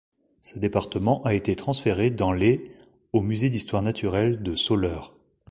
Ce département a été transféré dans les au musée d'Histoire naturelle de Soleure.